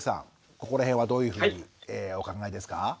ここら辺はどういうふうにお考えですか？